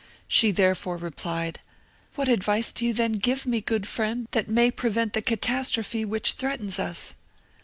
She therefore replied, "What advice do you then give me, good friend, that may prevent the catastrophe which threatens us?"